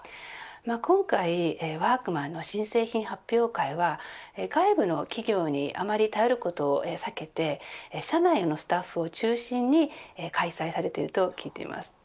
今回ワークマンの新製品発表会は外部の企業にあまり頼ることを避けて社内のスタッフを中心に開催されていると聞いています。